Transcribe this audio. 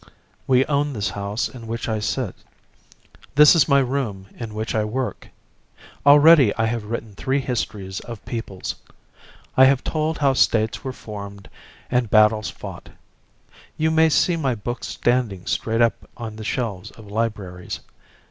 We own this house in which I sit. This is my room in which I work. Already I have written three histories of peoples. I have told how states were formed and battles fought. You may see my books standing straight up on the shelves of libraries.